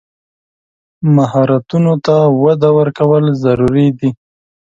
مهارتونو ته وده ورکول ضروري دي.